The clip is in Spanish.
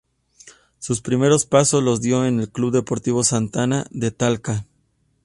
Sus primeros pasos los dio en el club deportivo "Santa Ana" de Talca.